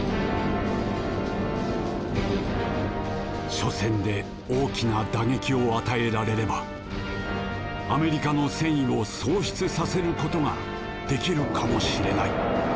緒戦で大きな打撃を与えられればアメリカの戦意を喪失させることができるかもしれない。